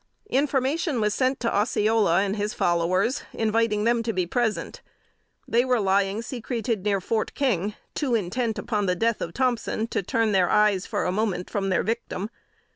Information was sent to Osceola and his followers, inviting them to be present. They were lying secreted near Fort King, too intent upon the death of Thompson to turn their eyes for a moment from their victim.